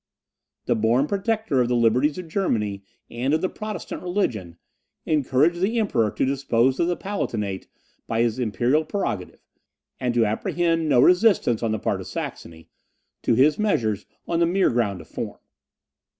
The born protector of the liberties of Germany, and of the Protestant religion, encouraged the Emperor to dispose of the Palatinate by his imperial prerogative; and to apprehend no resistance on the part of Saxony to his measures on the mere ground of form.